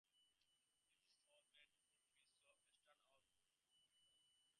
If so, that would be the most eastern outpost of Muskogean.